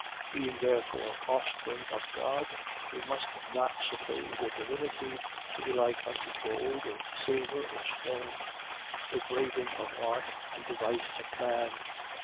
17:29. Being therefore the offspring of God, we must not suppose the divinity to be like unto gold or silver or stone, the graving of art and device of man.